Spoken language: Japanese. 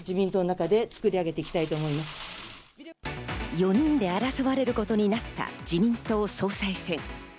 ４人で争われることになった自民党総裁選。